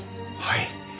はい。